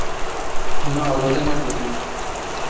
Hûn arode nebûne.